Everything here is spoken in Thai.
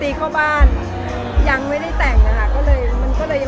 มีความหวังขึ้นมาอีกอยากมีอะไรอย่างเงี้ย